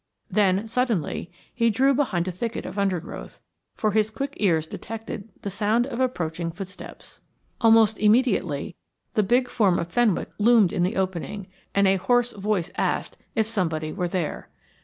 Then, suddenly, he drew behind a thicket of undergrowth, for his quick ears detected the sound of approaching footsteps. Almost immediately the big form of Fenwick loomed in the opening, and a hoarse voice asked if somebody were there.